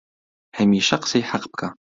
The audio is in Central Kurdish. هەمیشە قسەی حەق بکە